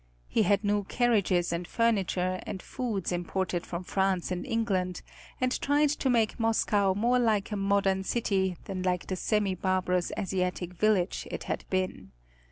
He had new carriages and furniture and foods imported from France and England, and tried to make Moscow more like a modern city than like the semi barbarous Asiatic village it had been.